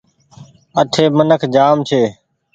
اٺي منک جآم ڇي۔